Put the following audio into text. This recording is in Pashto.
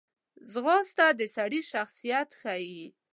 ځغاسته د سړي شخصیت ښیي